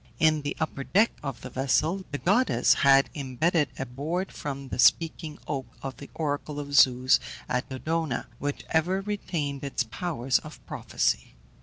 In the upper deck of the vessel the goddess had imbedded a board from the speaking oak of the oracle of Zeus at Dodona, which ever retained its powers of prophecy.